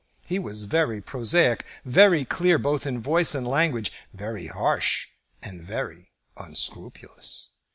He was very prosaic, very clear both in voice and language, very harsh, and very unscrupulous.